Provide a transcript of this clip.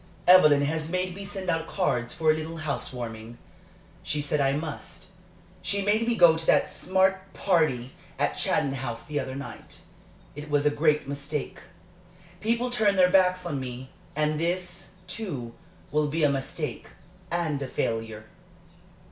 Evelyn has made me send out cards for a little house warming. She said I must. She made me go to that smart party at Chatton House the other night. It was a great mistake. People turned their backs on me. And this, too, will be a mistake and a failure."